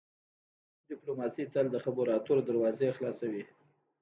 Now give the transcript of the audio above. ډیپلوماسي تل د خبرو اترو دروازې خلاصوي.